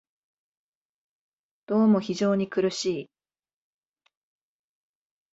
どうも非常に苦しい